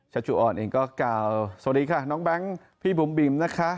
ชจุออนเองก็กล่าวสวัสดีค่ะน้องแบงค์พี่บุ๋มบิมนะคะ